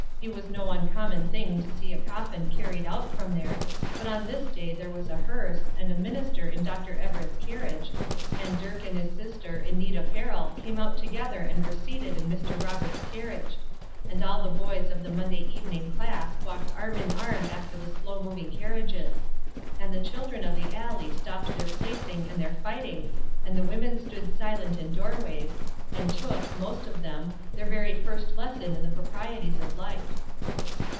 It was no uncommon thing to see a coffin carried out from there, but on this day there was a hearse, and a minister in Dr. Everett's carriage, and Dirk and his sister, in neat apparel, came out together and were seated in Mr. Roberts' carriage; and all the boys of the Monday evening Class walked arm in arm after the slow moving carriages; and the children of the alley stopped their placing and their fighting, and the women stood silent in doorways, and took, most of them, their very first lesson in the proprieties of life.